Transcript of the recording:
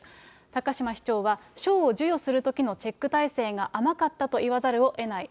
高島市長は、賞を授与するときのチェック体制が甘かったと言わざるをえない。